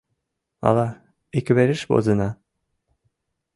Ала иквереш возына?